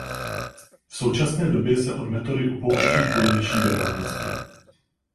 V současné době se od metody upouští kvůli nižší věrohodnosti.